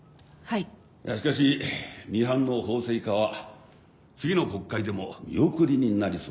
いやしかしミハンの法制化は次の国会でも見送りになりそうだぞ。